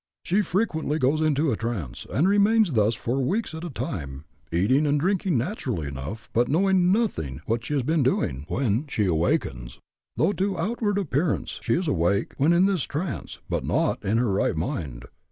She frequently goes into a trance, and remains thus for weeks at a time, eating and drinking naturally enough, but knowing nothing what she has been doing, when she awakens though to outward appearance, she is awake, when in this trance, but not in her right mind.